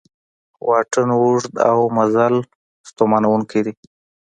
واټن اوږد او مزل ستومانوونکی دی